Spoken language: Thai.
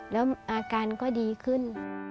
แล้วอาการก็ดีขึ้น